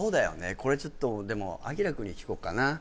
これちょっとでもＡＫＩＲＡ君に聞こうかな？